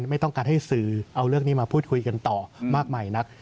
ไม่ต้องการให้สื่อเอาเรื่องนี้มาพูดคุยกันต่อมากมายนัก